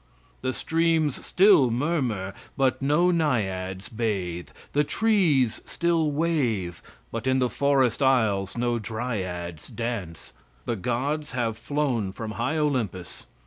The streams still murmur, but no naiads bathe; the trees still wave, but in the forest aisles no dryads dance. The gods have flown from high Olympus.